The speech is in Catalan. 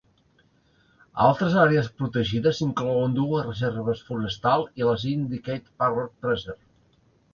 Altres àrees protegides inclouen dues reserves forestal i la Syndicate Parrot Preserve.